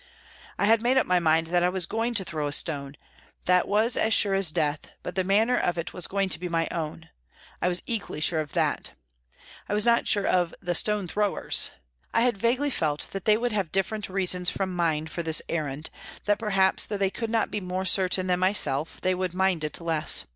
I had made up my mind that I was going to throw a stone that was as sure as death, but the manner of it was going to be my own ; I was equally NEWCASTLE 205 sure of that. I was not sure of " the stone throwers." I had vaguely felt that they would have different reasons from mine for this errand, that perhaps, though they could not be more certain than myself, they would mind it less.